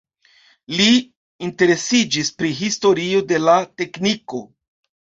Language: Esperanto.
Li interesiĝis pri historio de la tekniko.